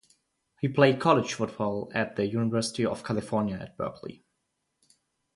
He played college football at the University of California at Berkeley.